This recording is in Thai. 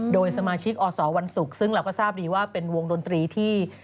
โดยสมาชิกอสวันศุกร์ซึ่งเราก็ทราบดีว่าเป็นวงดนตรีที่